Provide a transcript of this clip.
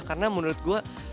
karena menurut gue